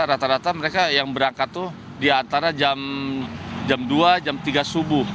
rata rata mereka yang berangkat tuh di antara jam dua jam tiga subuh